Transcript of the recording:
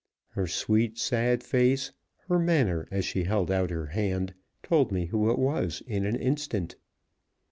Her sweet, sad face, her manner as she held out her hand, told me who it was in an instant.